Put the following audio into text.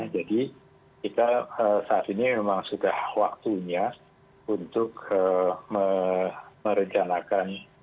jadi kita saat ini memang sudah waktunya untuk merencanakan